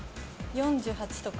４８とか。